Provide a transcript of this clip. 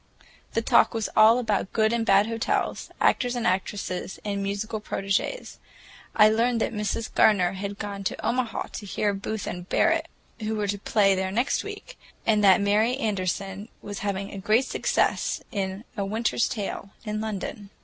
The talk was all about good and bad hotels, actors and actresses and musical prodigies. I learned that Mrs. Gardener had gone to Omaha to hear Booth and Barrett, who were to play there next week, and that Mary Anderson was having a great success in "A Winter's Tale," in London.